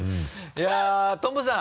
いやぁトンボさん。